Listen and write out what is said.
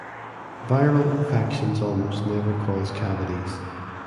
Viral infections almost never cause cavities.